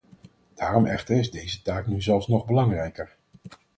Daarom echter is deze taak nu zelfs nog belangrijker.